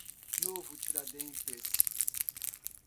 Novo Tiradentes